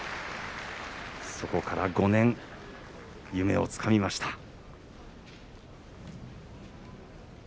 そこから５年、夢をつかみました。